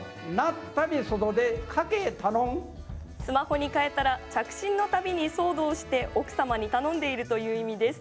スマホに替えたら着信の度に騒動して奥様に頼んでいるという意味です。